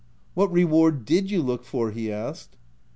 "What reward did you look for?" he asked.